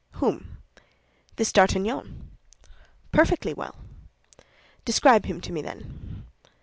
"Whom?" "This D'Artagnan." "Perfectly well." "Describe him to me, then."